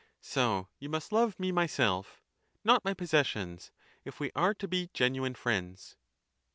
So you must love me myself, not my possessions, if we are to be genuine friends.